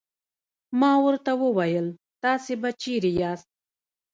ما ورته وویل: تاسې به چیرې یاست؟